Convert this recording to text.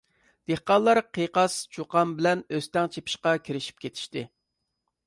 دېھقانلار قىيقاس چۇقان بىلەن ئۆستەڭ چېپىشقا كىرىشىپ كېتىشتى.